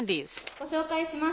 ご紹介します。